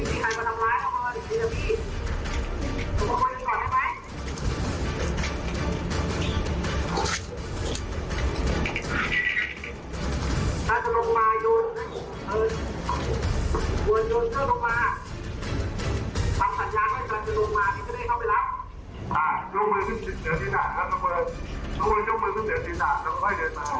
ถ้าจะลงมาโยนเอ่อโดนโยนเข้าลงมาฟังสัญญาณให้จะลงมานี่ก็ได้เข้าไปแล้ว